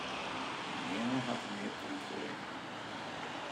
Nearne hat er mear tiid foar.